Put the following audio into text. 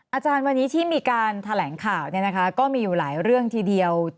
อาจารย์วันนี้ที่มีการแถลงข่าวก็มีอยู่หลายเรื่องทีเดียว